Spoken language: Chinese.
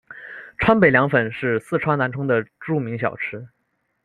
川北凉粉是四川南充的着名小吃。